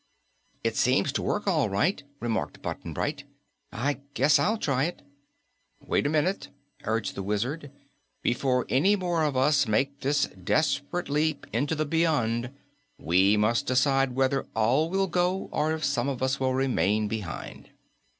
"It seems to work, all right," remarked Button Bright. "I guess I'll try it." "Wait a minute," urged the Wizard. "Before any more of us make this desperate leap into the beyond, we must decide whether all will go or if some of us will remain behind."